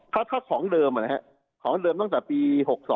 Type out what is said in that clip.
ถ้าของเดิมตั้งแต่ปี๖๒๖๖